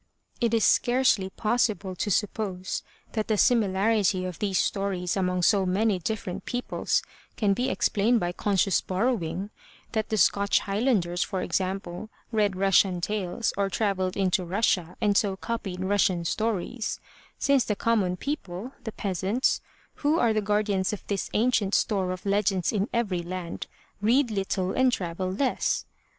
It is scarcely possible to suppose that the similarity of these stories among so many different peoples can be explained by conscious borrowing, that the Scotch Highlanders for example read Russian tales or traveled into Russia and so copied Russian stories, since the common people, the peasants, who are the guardians of the ancient store of legends in every land, read little and travel less.